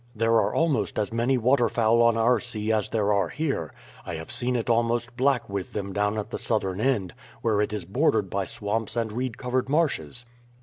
There are almost as many waterfowl on our sea as there are here. I have seen it almost black with them down at the southern end, where it is bordered by swamps and reed covered marshes."